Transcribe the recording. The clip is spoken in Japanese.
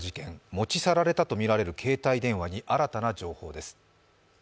持ち去られたとみられる携帯電話に新たな情報です。